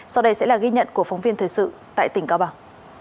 sau đây sẽ là ghi nhận của phóng viên thời sự tại tỉnh cao bằng